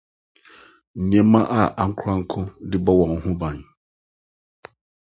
Nneɛma a Ankorankoro De Bɔ Wɔn Ho Ban